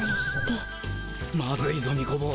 まずいぞニコ坊。